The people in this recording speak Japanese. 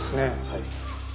はい。